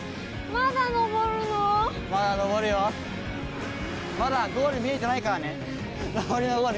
上りのゴール見えてないから。